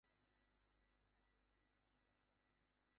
তিনি মূলত বাংলা ও মরাঠীতে লেখালেখি করেছেন।